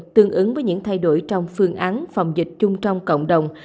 tương ứng với những thay đổi trong phương án phòng dịch chung trong cộng đồng